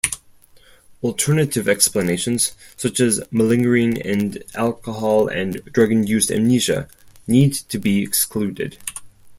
Alternative explanations, such as malingering and alcohol and drug-induced amnesia, need to be excluded.